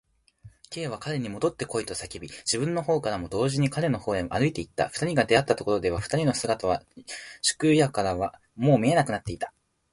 Ｋ は彼にもどってこいと叫び、自分のほうからも同時に彼のほうへ歩いていった。二人が出会ったところでは、二人の姿は宿屋からはもう見えなくなっていた。